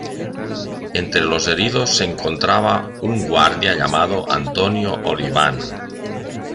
Entre los heridos se encontraba un guardia llamado Antonio Oliván.